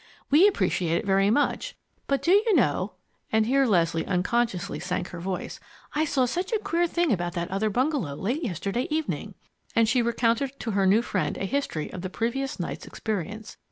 We appreciate it very much. But do you know," and here Leslie unconsciously sank her voice, "I saw such a queer thing about that other bungalow late yesterday evening!" And she recounted to her new friend a history of the previous night's experience.